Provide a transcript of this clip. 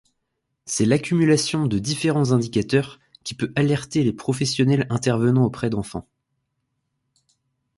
C'est l'accumulation de différents indicateurs qui peut alerter les professionnels intervenant auprès d'enfants.